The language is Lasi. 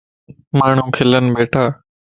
ماڻهون کلن ٻيٺا.